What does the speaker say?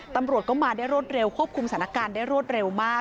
ตำรวจก็มาได้รวดเร็วควบคุมสถานการณ์ได้รวดเร็วมาก